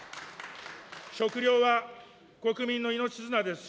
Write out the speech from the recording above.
食料は国民の命綱です。